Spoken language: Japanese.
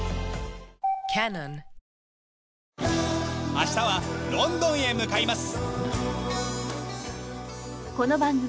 明日はロンドンへ向かいます。